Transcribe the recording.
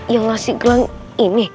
yang kasih gelang ini